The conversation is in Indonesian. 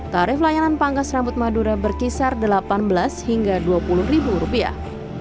tarif layanan pangkas rambut madura berkisar delapan belas hingga dua puluh ribu rupiah